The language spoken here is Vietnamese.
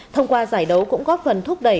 thông qua giải đấu cũng góp phần thúc đẩy